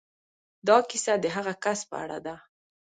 دا کيسه د هغه کس په اړه ده.